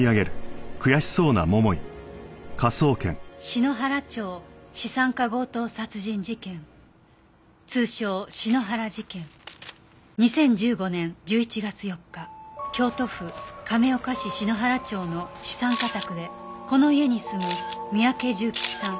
「篠原町資産家強盗殺人事件」「通称篠原事件」「２０１５年１１月４日京都府亀岡市篠原町の資産家宅でこの家に住む三宅重吉さん